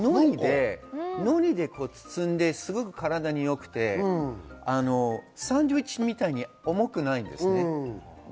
のりで包んで、すごく体に良くて、サンドイッチみたいに重くないです。